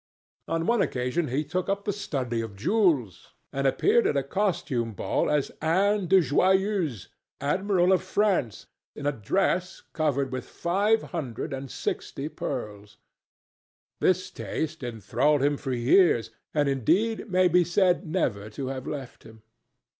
On one occasion he took up the study of jewels, and appeared at a costume ball as Anne de Joyeuse, Admiral of France, in a dress covered with five hundred and sixty pearls. This taste enthralled him for years, and, indeed, may be said never to have left him.